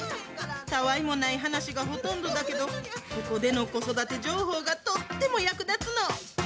たわいもない話がほとんどだけど、ここでの子育て情報がとっても役立つの。